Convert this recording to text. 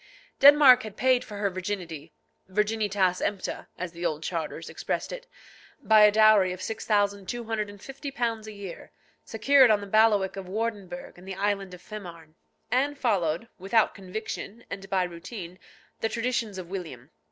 Denmark had paid for her virginity (virginitas empta, as the old charters expressed it) by a dowry of £6,250 a year, secured on the bailiwick of Wardinburg and the island of Fehmarn. Anne followed, without conviction, and by routine, the traditions of William.